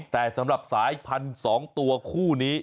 แต่สำหรับสายพันธุ์๒ตัวคู่นี้